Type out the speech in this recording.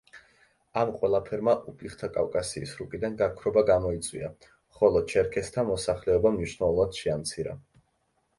ამ ყველაფერმა უბიხთა კავკასიის რუკიდან გაქრობა გამოიწვია, ხოლო ჩერქეზთა მოსახლეობა მნიშვნელოვნად შეამცირა.